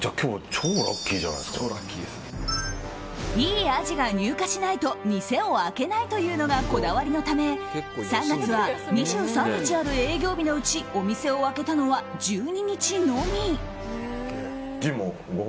いいアジが入荷しないと店を開けないというのがこだわりのため３月は、２３日ある営業日のうちお店を開けたのは１２日のみ。